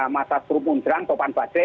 masa stru mundurang topan bace